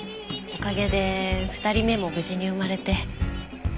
おかげで２人目も無事に生まれて。